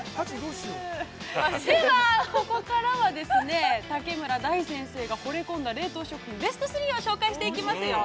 ◆では、ここからは、タケムラダイ先生がほれ込んだ冷凍食品、ベスト３をご紹介していきますよ。